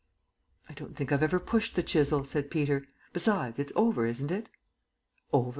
"I don't think I've ever pushed the Chisel," said Peter. "Besides, it's over, isn't it?" "Over?